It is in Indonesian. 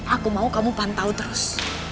aku mau kamu pantau terus